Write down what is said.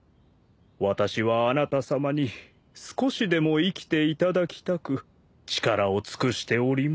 私はあなたさまに少しでも生きていただきたく力を尽くしております。